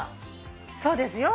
そうですよ。